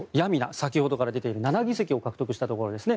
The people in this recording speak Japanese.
先ほどから出ている７議席を獲得したところですね。